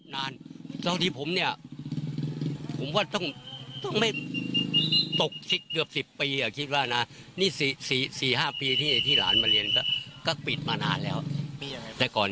นานครับนานศพที่ผมเนี้ยผมว่าต้องไม่ตกที่เกือบสิบปี